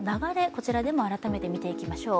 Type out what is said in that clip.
こちらで改めて見ていきましょう。